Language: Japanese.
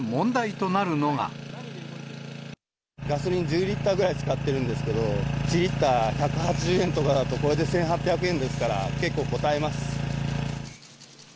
ガソリン１０リッターぐらい使ってるんですけど、１リッター１８０円とかだと、これで１８００円ですから、結構こたえます。